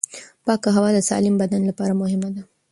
پاکه هوا د سالم بدن لپاره مهمه ده.